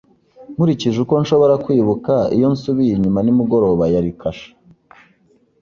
Nkurikije uko nshobora kwibuka iyo nsubiye inyuma nimugoroba yari kasha